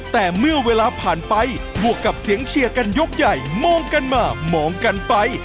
แต่เมื่อเวลาผ่านไปบวกกับเสียงเชียร์กันยกใหญ่มองกันมามองกันไป